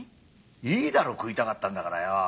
いいだろ食いたかったんだからよ。